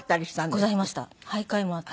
ございました。